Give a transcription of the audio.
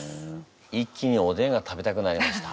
一気におでんが食べたくなりました。